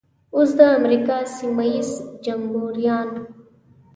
اوس د امریکا سیمه ییز جمبوریان.